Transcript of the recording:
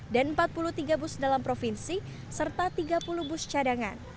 dan empat puluh tiga bus dalam provinsi serta tiga puluh bus cadangan